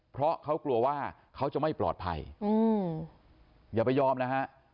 เพราะเขากลัวว่าเขาจะไม่ปลอดภัยอย่าไปยอมนะฮะ